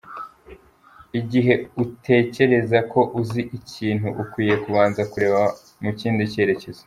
Igihe utekereza ko uzi ikintu, ukwiye kubanza kureba mu kindi cyerekezo.